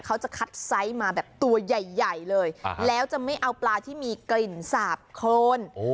เขาจะคัดไซส์มาแบบตัวใหญ่เลยแล้วจะไม่เอาปลาที่มีกลิ่นสาบโคน